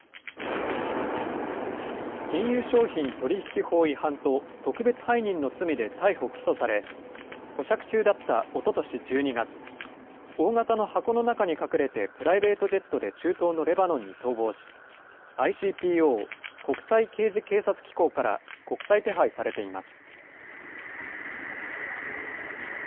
金融商品取引法違反と特別背任の罪で逮捕・起訴され、保釈中だったおととし１２月、大型の箱の中に隠れてプライベートジェットで中東のレバノンに逃亡し、ＩＣＰＯ・国際刑事警察機構から国際手配されています。